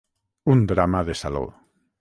Un drama de saló.